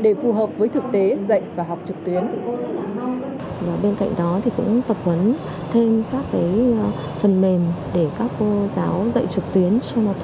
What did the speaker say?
để phù hợp với thực tế dạy và học trực tuyến